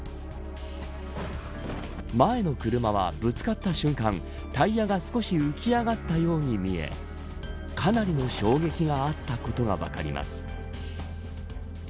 前の車は、ぶつかった瞬間タイヤが少し浮き上がったように見えかなりの衝撃があったことが分かります。